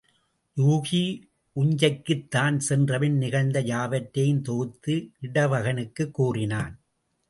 யூகி உஞ்சைக்குத் தான் சென்றபின் நிகழ்ந்த யாவற்றையும் தொகுத்து இடவகனுக்குக் கூறினான்.